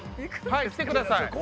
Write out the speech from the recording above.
はい来てください。